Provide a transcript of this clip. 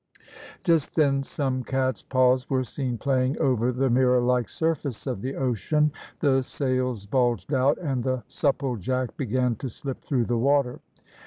Just then some cat's paws were seen playing over the mirror like surface of the ocean, the sails bulged out, and the Supplejack began to slip through the water.